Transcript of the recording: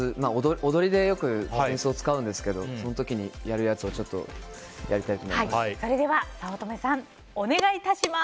踊りでよく扇子を使うんですけどその時にやるやつをやりたいと思います。